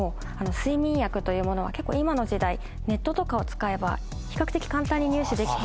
睡眠薬というものは結構今の時代ネットとかを使えば比較的簡単に入手できて。